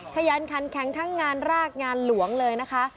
ขยันขันแข็งทั้งงานรากงานหลวงเลยนะคะ